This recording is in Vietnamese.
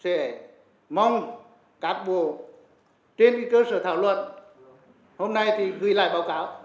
sau hội nghị này chúng tôi sẽ mong các bộ trên cơ sở thảo luận hôm nay gửi lại báo cáo